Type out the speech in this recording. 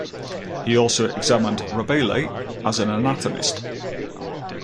He also examined Rabelais as an anatomist.